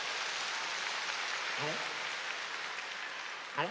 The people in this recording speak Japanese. あれ？